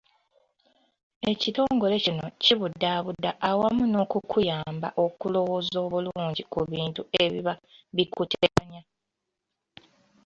Ekitongole kino kibudaabuda awamu n'okukuyamba okulowooza obulungi ku bintu ebiba bikuteganya.